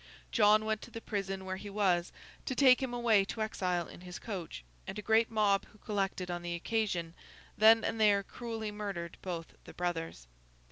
John went to the prison where he was, to take him away to exile, in his coach; and a great mob who collected on the occasion, then and there cruelly murdered both the brothers.